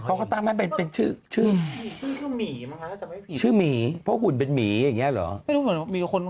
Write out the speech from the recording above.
เค้าตั้งมาเป็นชื่อชื่อหมีเพราะหุ่นเป็นหมีอย่างนี้หรอ